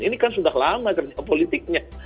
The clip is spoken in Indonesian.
ini kan sudah lama kerja politiknya